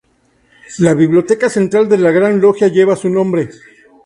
La Biblioteca Central de la Gran Logia lleva su nombre.